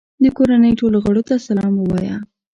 د کورنۍ ټولو غړو ته سلام ووایه.